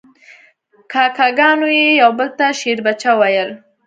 کاکه ګانو یو بل ته شیربچه ویل.